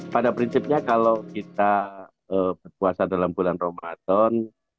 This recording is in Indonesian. pada prinsipnya kalau kita berpuasa dalam bulan ramadan